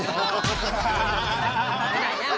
ครับ